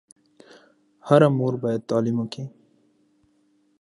تعلیم لرونکې میندې د ماشومانو د ناروغۍ په اړه پوهاوی لري.